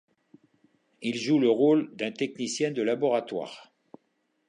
Il joue le rôle d'un technicien de laboratoire.